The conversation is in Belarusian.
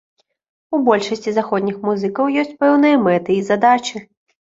У большасці заходніх музыкаў ёсць пэўныя мэты і задачы.